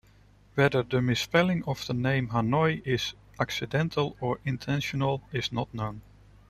Whether the misspelling of the name Hanoi is accidental or intentional is not known.